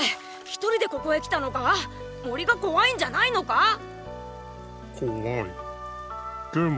ひとりでここへ来たのか⁉森が怖いんじゃないのか⁉コワイ。